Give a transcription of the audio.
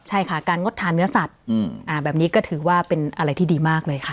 ใช่ค่ะการงดทานเนื้อสัตว์แบบนี้ก็ถือว่าเป็นอะไรที่ดีมากเลยค่ะ